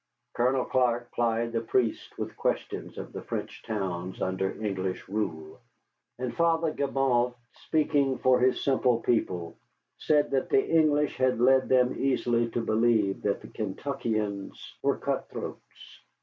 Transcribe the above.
Colonel Clark plied the priest with questions of the French towns under English rule: and Father Gibault, speaking for his simple people, said that the English had led them easily to believe that the Kentuckians were cutthroats.